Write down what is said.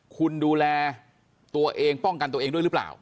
คุณดูแลตัวเองป้องกันตัวเองด้วยหรือเปล่า